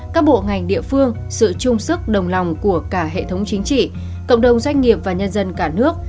các bộ ngành địa phương sự chung sức đồng lòng của cả hệ thống chính trị cộng đồng doanh nghiệp và nhân dân cả nước